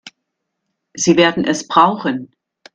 Sie werden es brauchen.